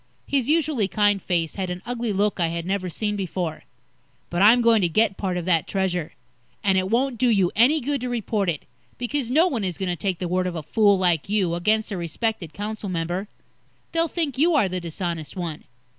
His usually kind face had an ugly look I had never seen before. "But I'm going to get part of that Treasure. And it won't do you any good to report it, because no one is going to take the word of a fool like you, against a respected council member. They'll think you are the dishonest one.